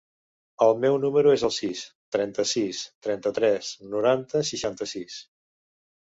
El meu número es el sis, trenta-sis, trenta-tres, noranta, seixanta-sis.